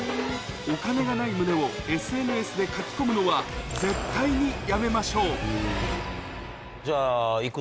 お金がないむねをＳＮＳで書き込むのは絶対にやめましょうじゃあ。